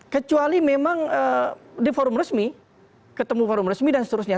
kecuali memang di forum resmi ketemu forum resmi dan seterusnya